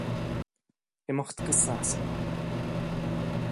Imeacht go Sasana!